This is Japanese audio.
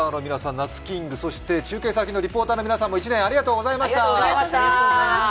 中継先のリポーターの皆さんも１年ありがとうございました。